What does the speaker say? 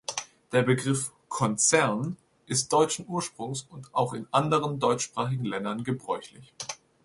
Der Begriff "Konzern" ist deutschen Ursprungs und auch in anderen deutschsprachigen Ländern gebräuchlich.